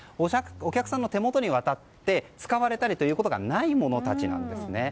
お客さんの手元に渡って使われたりというものがないものたちなんですね。